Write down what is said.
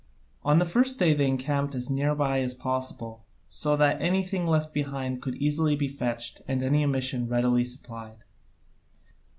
On the first day they encamped as near by as possible, so that anything left behind could easily be fetched and any omission readily supplied.